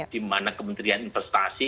di mana kementerian investasi